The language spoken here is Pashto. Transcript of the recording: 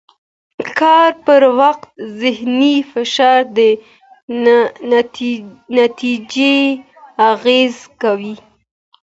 کار پر وخت ذهني فشار د نتیجې اغېز کوي.